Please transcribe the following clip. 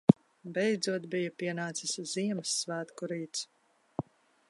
Beidzot bija pienācis Ziemassvētku rīts.